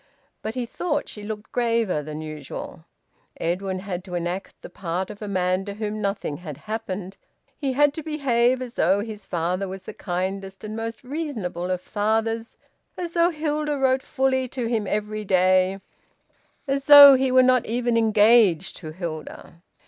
But he thought she looked graver than usual. Edwin had to enact the part of a man to whom nothing has happened. He had to behave as though his father was the kindest and most reasonable of fathers, as though Hilda wrote fully to him every day, as though he were not even engaged to Hilda.